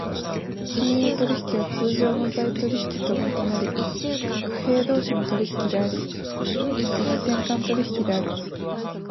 金融取引は通常の財取引と異なり、貨幣同士の取引であり、異時点間取引である。